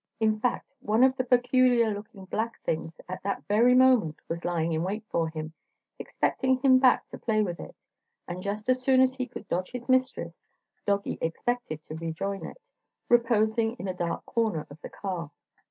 In fact, one of the peculiar looking black things at that very moment was lying in wait for him, expecting him back to play with it, and just as soon as he could dodge his mistress, doggie expected to rejoin it, reposing in a dark corner of the car.